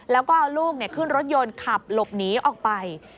แล้วก็เอาลูกขึ้นรถยนต์ขับหลบหนีออกไป